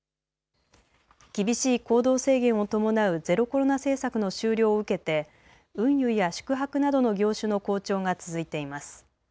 厳しい行動制限を伴うゼロコロナ政策の終了を受けて運輸や宿泊などの業種の好調が続いています。